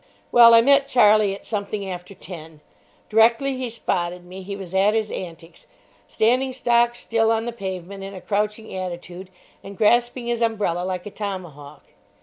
Well, I met Charlie at something after ten. Directly he spotted me he was at his antics, standing stock still on the pavement in a crouching attitude, and grasping his umbrella like a tomahawk.